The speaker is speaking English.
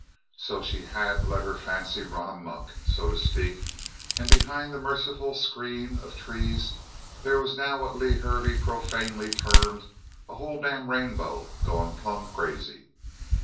So she had let her fancy run amuck, so to speak, and behind the merciful screen of trees there was now what Lew Hervey profanely termed: "A whole damn rainbow gone plumb crazy."